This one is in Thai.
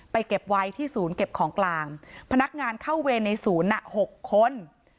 เก็บไว้ที่ศูนย์เก็บของกลางพนักงานเข้าเวรในศูนย์๖คน